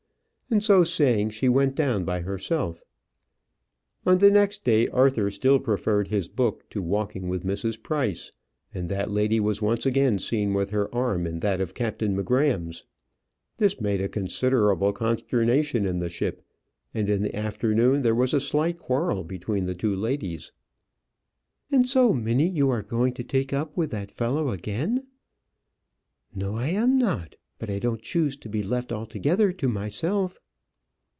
And so saying, she went down by herself. On the next day, Arthur still preferred his book to walking with Mrs. Price; and that lady was once again seen with her arm in that of Captain M'Gramm's. This made a considerable consternation in the ship; and in the afternoon there was a slight quarrel between the two ladies. "And so, Minnie, you are going to take up with that fellow again?" "No; I am not. But I don't choose to be left altogether to myself."